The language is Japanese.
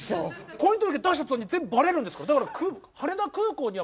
婚姻届出した途端に全部バレるんですから。